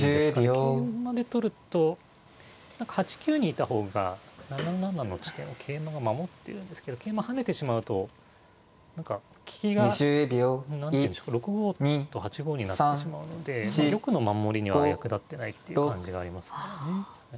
何か８九にいた方が７七の地点を桂馬が守ってるんですけど桂馬跳ねてしまうと何か利きが何ていうんでしょうか６五と８五になってしまうので玉の守りには役立ってないっていう感じがありますからね。